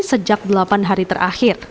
sejak delapan hari terakhir